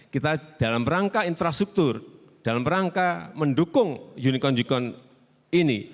kita dalam rangka infrastruktur dalam rangka mendukung unicorn unicorn ini